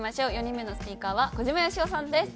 ４人目のスピーカーは小島よしおさんです。